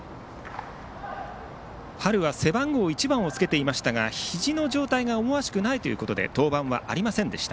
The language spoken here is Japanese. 春は背番号１番をつけていましたがひじの状態が思わしくないということで登板はありませんでした。